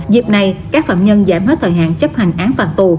dịp này các phạm nhân giảm bớt thời hạn chấp hành án phạt tù